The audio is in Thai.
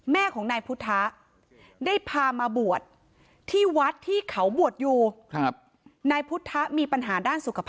แม่ของนายพุทธะได้พามาบวชที่วัดที่เขาบวชอยู่นายพุทธมีปัญหาด้านสุขภาพ